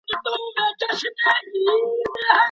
کوچني ماشومان د پلار له ميني او ملاتړ څخه محروميږي.